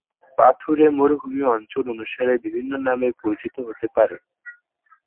পাথুরে মরুভূমি অঞ্চল অনুসারে বিভিন্ন নামে পরিচিত হতে পারে।